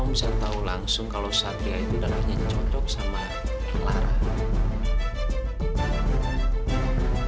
kamu bisa tau langsung kalau satria itu dadanya cocok sama lara